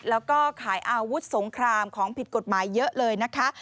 แล้วก็ขายอาวุธสงครามของผิดกฎหมายเยอะเลยนะคะ